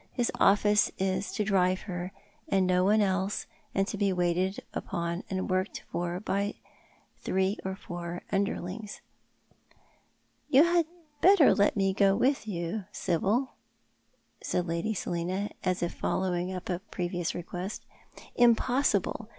His otfice is to drive her, and no one else, and to be waited upon and worked for by three or four underlings. " You had better let me go with you, Sibyl," said Lady Selina. as if following up a previous request. " Impossible.